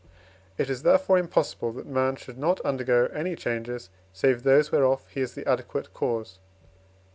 It is, therefore, impossible, that man should not undergo any changes save those whereof he is the adequate cause.